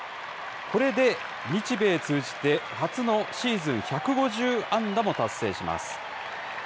これで日米通じて初のシーズン１５０安打も達成します。